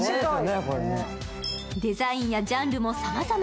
デザインやジャンルもさまざま。